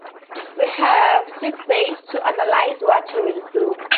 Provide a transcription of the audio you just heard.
We have six days to analyse what we will do.